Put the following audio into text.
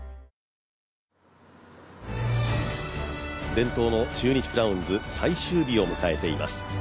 伝統の中日クラウンズ、最終日を迎えています。